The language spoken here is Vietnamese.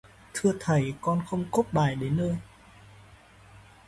Thưa Thầy, con không cốp bài đến nơi